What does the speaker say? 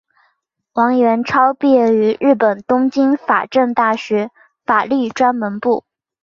王元超毕业于日本东京法政大学法律专门部。